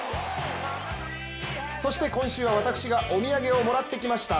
そして今週は私がお土産をもらってきました。